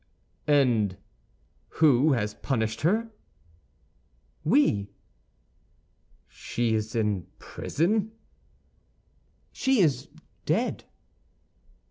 "And who has punished her?" "We." "She is in prison?" "She is dead."